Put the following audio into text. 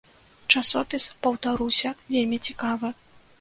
Часопіс, паўтаруся, вельмі цікавы.